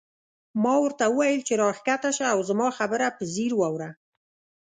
ما ورته وویل چې راکښته شه او زما خبره په ځیر واوره.